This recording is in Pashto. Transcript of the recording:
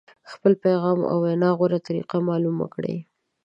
خپل پیغام او د وینا غوره طریقه معلومه کړئ.